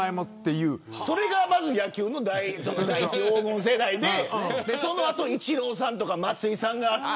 それが野球の第一黄金世代でその後、イチローさんとか松井さんとかがあって。